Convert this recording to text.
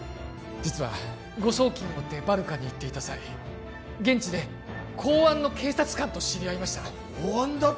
実は誤送金を追ってバルカに行っていた際現地で公安の警察官と知り合いました公安だと！？